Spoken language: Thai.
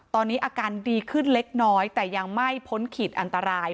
ตอนนี้อาการดีขึ้นเล็กน้อยแต่ยังไม่พ้นขีดอันตราย